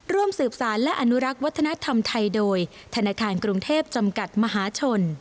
ร่วมสืบสารและอนุรักษ์วัฒนธรรมไทยโดยธนาคารกรุงเทพจำกัดมหาชน